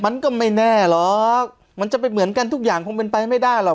มันก็ไม่แน่หรอกมันจะไปเหมือนกันทุกอย่างคงเป็นไปไม่ได้หรอก